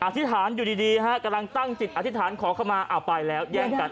ธิษฐานอยู่ดีฮะกำลังตั้งจิตอธิษฐานขอเข้ามาอ้าวไปแล้วแย่งกัน